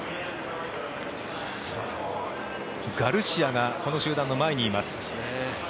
ガルシアがこの集団の前にいます。